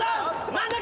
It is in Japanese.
何だ？